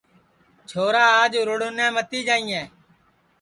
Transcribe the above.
چھورا آج رُڑٹؔے متی جائیئے